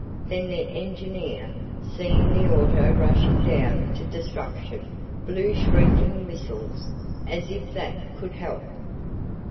Then the engineer, seeing the auto rushing down to destruction, blew shrieking whistles, as if that could help.